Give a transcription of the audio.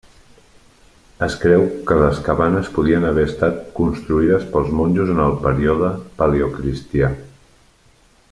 Es creu que les cabanes podien haver estat construïdes per monjos en el període paleocristià.